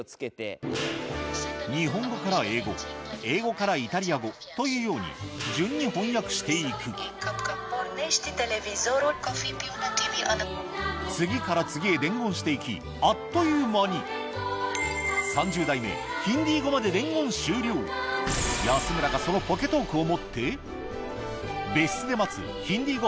日本語から英語英語からイタリア語というように順に翻訳していく次から次へ伝言していきあっという間に安村がそのポケトークを持って別室で待つヒンディー語